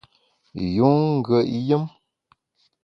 Yun ngùet yùm !